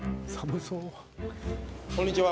こんにちは。